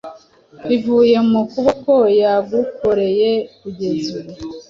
bivuye mu kuboko yagukoreye kugeza ubu